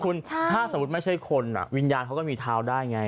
คุณถ้าสมมุติไม่ใช่คนวิญญาณเขาก็มีเท้าได้ไง